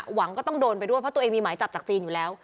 หวังก็ต้องโดนไปด้วยเพราะตัวเองมีหมายจับจากจีนอยู่แล้ว